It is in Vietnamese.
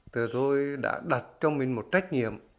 thì tôi đã đặt cho mình một trách nhiệm